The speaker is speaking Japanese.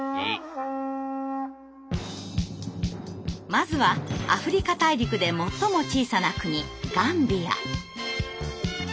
まずはアフリカ大陸で最も小さな国ガンビア。